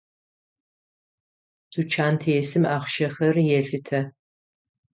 Тучантесым ахъщэхэр елъытэ.